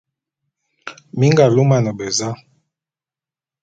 Mi nga lumane beza?